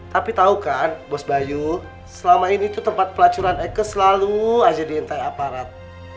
tapi tau kan bos bayu selama ini tempat pelacuran aku selalu diintai aparat